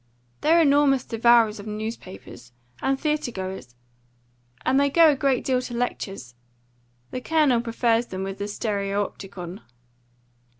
"They're enormous devourers of newspapers, and theatre goers; and they go a great deal to lectures. The Colonel prefers them with the stereopticon."